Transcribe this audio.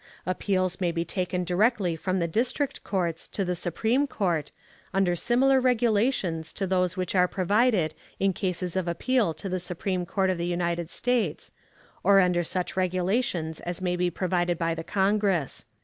Appeals may be taken directly from the District Courts to the Supreme Court, under similar regulations to those which are provided in cases of appeal to the Supreme Court of the United States, or under such regulations as may be provided by the Congress.